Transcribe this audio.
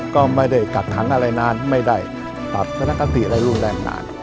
ก็ไม่ได้กักขังอะไรนานไม่ได้ปรับทนคติอะไรรุนแรงนาน